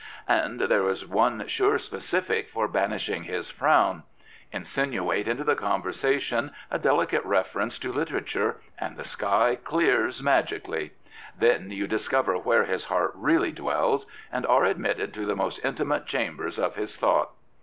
And there is one sure specific for banishing his frown. Insinuate into the conversation a delicate reference to literature and the sky clears magically. Then you discover where his heart really dwells and are ad mitted to the most intimate chambers of his thought.